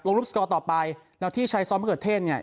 รูปสกอร์ต่อไปแล้วที่ใช้ซ้อมมะเขือเทศเนี่ย